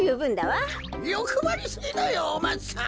よくばりすぎだよお松さん。